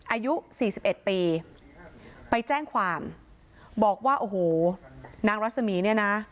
อายุสี่สิบเอ็ดปีไปแจ้งความบอกว่าโอ้โหนางรัศมีร์เนี่ยนะ